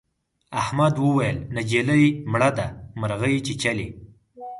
احمد وويل: نجلۍ مړه ده مرغۍ چیچلې.